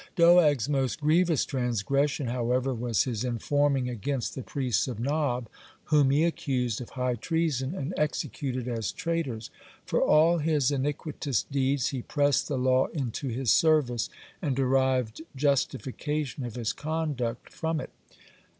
(103) Doeg's most grievous transgression, however, was his informing against the priests of Nob, whom he accused of high treason and executed as traitors. For all his iniquitous deeds he pressed the law into his service, and derived justification of his conduct from it.